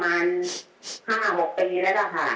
ประมาณ๕๖ปีแล้วค่ะ